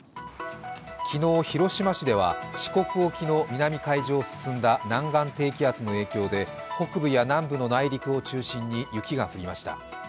昨日、広島市では四国沖の南海上を進んだ南岸低気圧の影響で北部や南部の内陸を中心に雪が降りました。